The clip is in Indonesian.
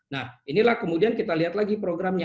nah inilah kemudian kita lihat lagi programnya